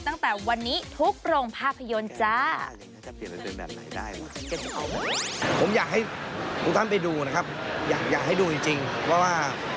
ตั้งแต่วันนี้ทุกโรงภาพยนตร์จ้า